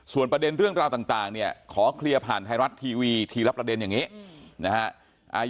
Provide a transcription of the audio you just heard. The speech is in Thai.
ประเด็นเรื่องราวต่างเนี่ยขอเคลียร์ผ่านไทยรัฐทีวีทีละประเด็นอย่างนี้นะฮะ